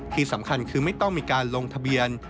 ที่สำคัญคือไม่ต้องมีการลงทะเบียน